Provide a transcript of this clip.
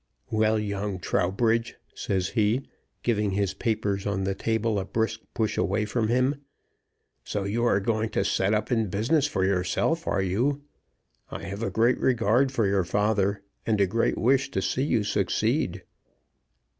"Well, young Trowbridge," says he, giving his papers on the table a brisk push away from him, "so you are going to set up in business for yourself, are you? I have a great regard for your father, and a great wish to see you succeed.